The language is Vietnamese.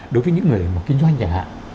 đối với những người mà kinh doanh chẳng hạn